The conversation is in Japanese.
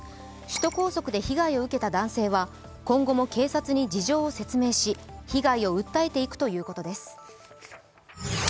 首都高速で被害を受けた男性は、今後も警察に事情を説明し、被害を訴えていくということです。